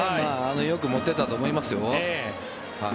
よく持っていったと思いますよ。